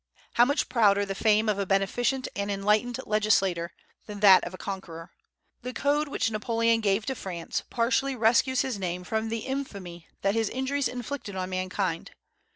How much prouder the fame of a beneficent and enlightened legislator than that of a conqueror! The code which Napoleon gave to France partially rescues his name from the infamy that his injuries inflicted on mankind.